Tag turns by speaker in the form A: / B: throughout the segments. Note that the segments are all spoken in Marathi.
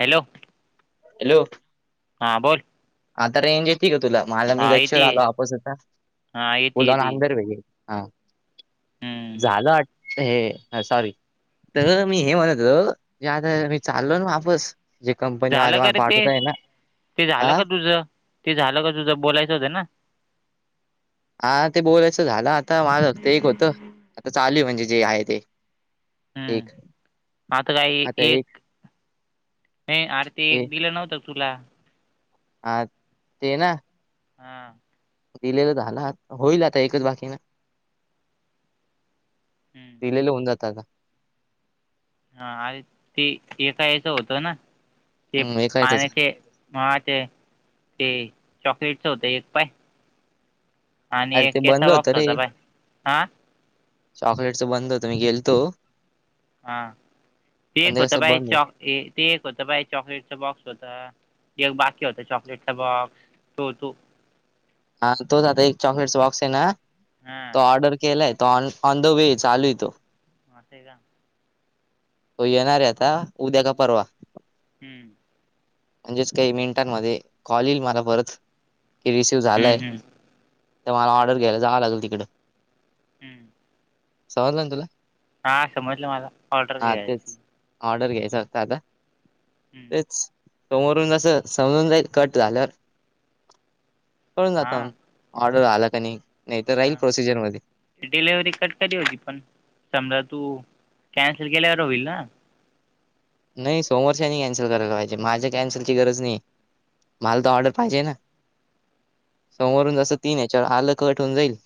A: हॅलो
B: हॅलो
A: हां बोल,
B: आता रेंज येते ग तुला मला मी
A: हा येते
B: गच्छवर आलो आपस आता
A: हा येते
B: पुलाला
A: येते
B: अंंदर वेगल, हा
A: हम्म
B: झालं आ हे सॉरी, तर मी हे म्हणत की आता मी चालो ना वापस, जे
A: झालं
B: कंपनीवाले
A: का
B: मला
A: रे ते
B: पाठवत आहे ना
A: ते झालं
B: हा
A: का तुझं ते झालं का तुझं बोलायचं होतं ना,
B: हा ते बोलायचं झालं आता माझ ते एक होतं आता चालू आहे म्हणजे जे आहे ते,
A: हम्म
B: एक
A: आता काही एक नाही अर ते
B: हे
A: एक दिलं नव्हतं. टोला,
B: हा ते ना,
A: हां
B: दिलेलं झाला होईल आता एकच बाकीन
A: हम्म
B: दिलेले होऊन जात आता.
A: हा अरे ते एका याचं होत नाते
B: हम्म एकायचंच
A: पाण्याचे ह ते ते चॉकलेटच होत एक पाय आणि
B: अरे
A: एक
B: ते बंद
A: केचा
B: होतं
A: बॉक्स
B: रे
A: होता बाय हा
B: चॉकलेटचं बंद होतं मी गेलतो
A: हा
B: पण
A: तेक
B: ते
A: होता
B: कसं
A: बाई
B: बंद
A: चॉक ते एक होतं बाई चॉकलेटच बॉक्स होत एक बाकी होत चॉकलेटचा बॉक्स तो तू
B: हा तोच आता एक चॉकलेट बॉक्स आहे ना
A: हा
B: तो ऑर्डर केलाय तो ऑन ऑन द वे चालू य तो
A: म तेठी का
B: हो येणारे आता उद्या का परवा
A: हम्म
B: म्हणजेच काही मिनिटांमध्ये कॉल येईल मला परत कि रिसिव झालाय
A: हम्म हम्म
B: तर मला ऑर्डर
A: हम्म
B: घ्यायला जावं लागेल तिकडं
A: हम्म
B: समजल ना तुला
A: हा समजलं मला ऑर्डर
B: हा
A: घ्यायची
B: तेच ऑर्डर घ्यायच होत आता
A: हम्म
B: तेच समोरून जस समजून जाई कट झालं कळून जात
A: हा
B: म ऑर्डर आला का नाही तर राहील प्रोसिजर मध्ये
A: डिलेिव्हरी कट की होती पण समजा तू कॅन्सल केल्यावर होईल ना
B: नाही सोमवार कॅन्सल करायला पाहिजे माझ्या कॅन्सलची गरज नाही मला तर ऑर्डर पाहिजे ना सवरून जसं तीन याच्यावर आलं कट होऊन जाईल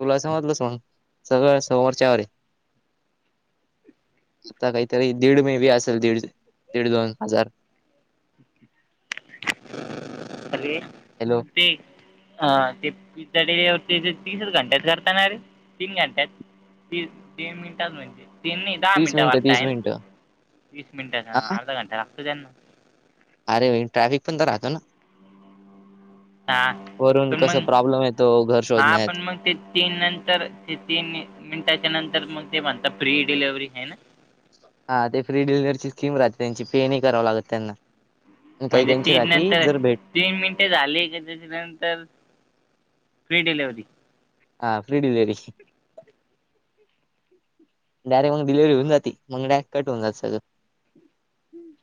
B: तुला समजलंस मग सगळं समवरच्यावर आता काहीतरी दीड मे बी असेल दीड दीड दोन हजार
A: अरे
B: हॅलो
A: आटी हा ते पिझ्झा डिलेवर तीसच घंट्यात करतानाे तीन घंट्यात ती दीन मिनिटात माहिे तीन दहा
B: तीस
A: मिनटं
B: मिनिटं
A: वाटत
B: तीस
A: आहेईन
B: मिनिटं
A: वीस मिनटं
B: हा
A: अर्धा घंटा लागत त्यांना
B: अरे ट्रॅफिक पण तर राहतो ना
A: हा
B: वरून
A: पण
B: कस
A: मग
B: प्रॉब्लेम आहे तो घर
A: हा
B: शोधण्यात आहेत
A: पण मग ते तीन नंतर ते तीन मिनिटाच्या नंतर मग ते म्हणता फ्री डिलेव्हरी आहे ना.
B: हा ते फ्री डिलरची स्कीम राहते त्यांची पे नाही करावं लागत त्यांना आणि काही
A: म्हणजे
B: काची
A: तीन
B: राती
A: नंतर
B: जर भेट
A: तीन मिनटे झाली का त्याच्यानंतर फ्री डिलिवर्ही
B: हा फ्री डिलिव्हरी डारेक्टग डिले्ह होनात मगडरेट होन जात सगं
A: हम्म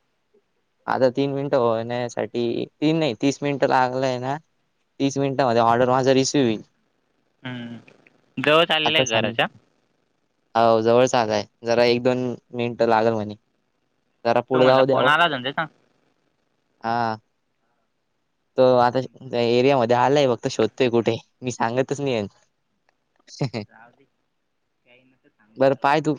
B: आता तीन मिनिटं होण्यासाठी तीन नाही तीस मिनिट लागलंय ना तीस मिनटमध्ये ऑर्डर माझा रिसीव होईल
A: हम् जव चालेलं
B: आता
A: आहे
B: सम
A: घराच्या
B: हो जवळ चागय जरा एक दोन मिनट लागल म्हणे जरा
A: तो
B: पुढे
A: म्हणला
B: जाऊ
A: फोन
B: द्यावं
A: आला होता ना त्याचा
B: हा तो आता एरियामध्येध्ये आलाय फक्त शोधतोय कुठे मी सांगतच नाही आहे
A: जाव दे काही न तर चांग
B: बरं
A: त्याला
B: पाय तू